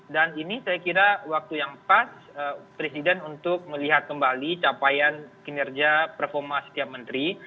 dan ini saya kira waktu yang pas presiden untuk melihat kembali capaian kinerja performa setiap menteri